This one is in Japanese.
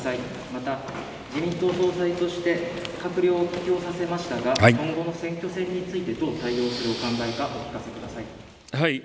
また、自民党総裁として閣僚を帰京させましたが今後の選挙戦についてどう対応するかお聞かせください。